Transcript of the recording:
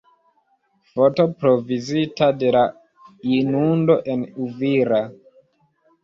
Foto provizita de La inundo en Uvira.